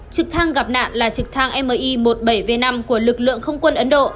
trực thăng gặp nạn là trực thăng mi một mươi bảy v năm của lực lượng không quân ấn độ